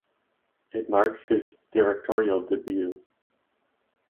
It marks his directorial debut.